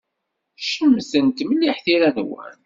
Cemtent mliḥ tira-nwen.